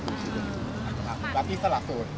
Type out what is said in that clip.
รับอิสระสูตร